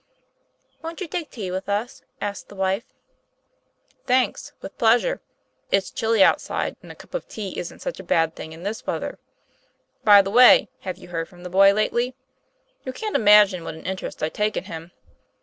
'Won't you take tea with us?" asked the wife. 'Thanks, with pleasure; it's chilly outside, and a cup of tea isn't such a bad thing in this weather. By the way, have you heard from the boy lately? You can't imagine what an interest I take in him.